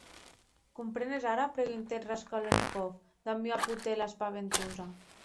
Comprenes ara?, preguntèc Raskolnikov damb ua potèla espaventosa.